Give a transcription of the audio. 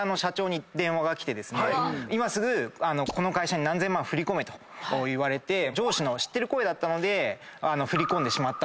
「今すぐこの会社に何千万振り込め」と言われて上司の知ってる声だったので振り込んでしまったという事件がありまして。